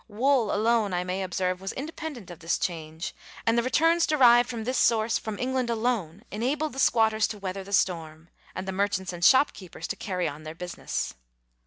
Wool alone, I may observe, was indepen dent of this change, and the returns derived from this source from England alone enabled the squatters to weather the storm, and the merchants and shopkeepers to carry on their business.